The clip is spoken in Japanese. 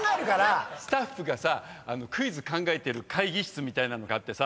スタッフがさクイズ考えてる会議室みたいなのがあってさ